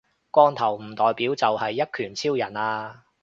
光頭唔代表就係一拳超人呀